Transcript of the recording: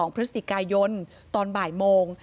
พฤศจิกายนตอนบ่ายโมง